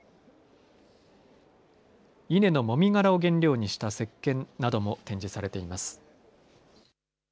稲のもみ殻を原料にしたせっけんなども展示されています。